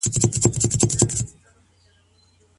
ايا د باسوادو نجونو سره د ژوند جوړولو مهارتونه سته دي؟